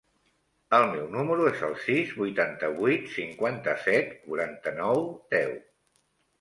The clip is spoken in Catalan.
El meu número es el sis, vuitanta-vuit, cinquanta-set, quaranta-nou, deu.